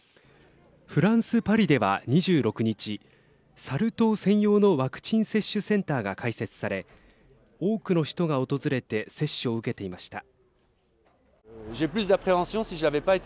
フランス、パリでは２６日サル痘専用のワクチン接種センターが開設され多くの人が訪れて接種を受けていました。